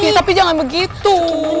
iya tapi jangan begitu